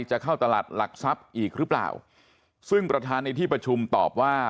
จะเข้าตลาดหลักทรัพย์อีกหรือเปล่าซึ่งประธานในที่ประชุมตอบว่า